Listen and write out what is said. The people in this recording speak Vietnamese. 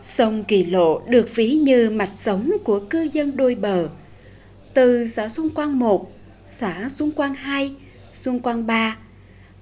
sông kỳ lộ được ví như mạch sống của cư dân đôi bờ từ xã xuân quang i xã xuân quang ii xuân quang iii